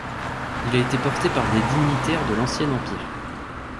Il a été porté par des dignitaires de l'Ancien Empire.